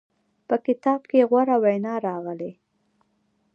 په کتاب کې غوره ویناوې راغلې.